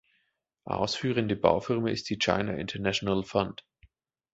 Ausführende Baufirma ist die China International Fund.